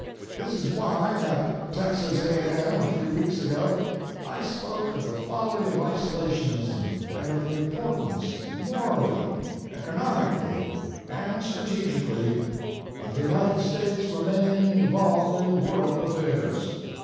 This is why, at Texas A&M a few weeks ago, I spoke of the folly of isolationism and of the importance, morally, economically, and strategically, of the United States remaining involved in world affairs.